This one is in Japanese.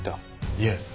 いえ。